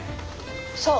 そう。